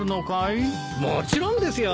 もちろんですよ！